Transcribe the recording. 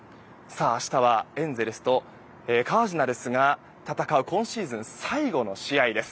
明日は、エンゼルスとカージナルスが戦う今シーズン最後の試合です。